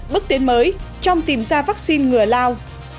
bức tiến mới trong tìm ra vaccine ngừa lao